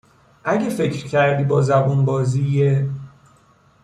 اگه فکر کردی با زبون بازی یه